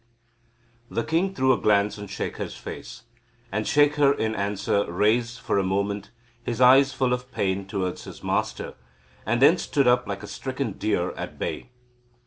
The king threw a glance on Shekhar's face, and Shekhar in answer raised for a moment his eyes full of pain towards his master, and then stood up like a stricken deer at bay.